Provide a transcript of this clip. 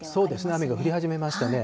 雨が降り始めましたね。